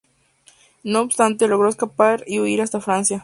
No obstante, logró escapar y huir hasta Francia.